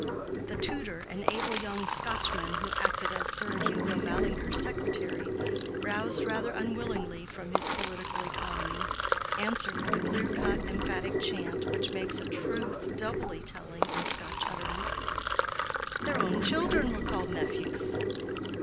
The tutor, an able young Scotchman, who acted as Sir Hugo Mallinger's secretary, roused rather unwillingly from his political economy, answered with the clear cut emphatic chant which makes a truth doubly telling in Scotch utterance, "Their own children were called nephews."